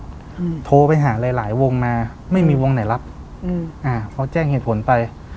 อืมโทรไปหาหลายหลายวงมาไม่มีวงไหนรับอืมอ่าพอแจ้งเหตุผลไป